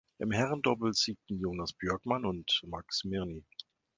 Im Herrendoppel siegten Jonas Björkman und Max Mirny.